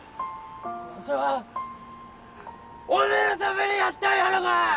わしはおめのためにやったんやろが！